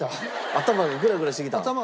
頭がクラクラしてきた。